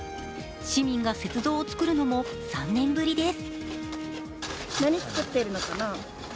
市民が雪像を造るのも３年ぶりです